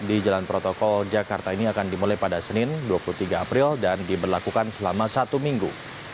di jalan protokol jakarta ini akan dimulai pada senin dua puluh tiga april dan diberlakukan selama satu minggu